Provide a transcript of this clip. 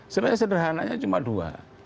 sebenarnya sederhananya cuma dua